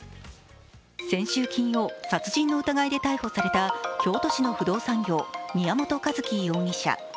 先週金曜、殺人の疑いで逮捕された京都市の不動産業宮本一希容疑者。